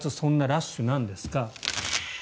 そんなにラッシュなんですか？